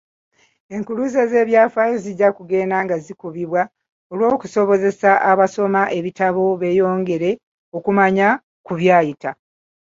Enkuluze z'Ebyafaayo zijja kugenda nga zikubibwa olw'okusobozesa abasoma ebitabo beeyongere okumanya ku byayita.